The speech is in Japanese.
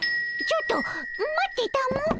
ちょっと待ってたも。